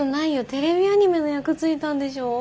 テレビアニメの役ついたんでしょう？